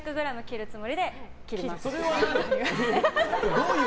どういう？